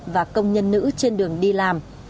và công nhân nữ trên đường đi làm